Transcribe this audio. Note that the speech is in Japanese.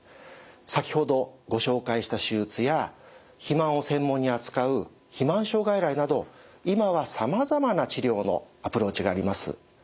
先ほどご紹介した手術や肥満を専門に扱う肥満症外来など今はさまざまな治療のアプローチがあります。